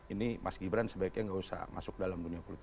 ini mas gibran sebaiknya nggak usah masuk dalam dunia politik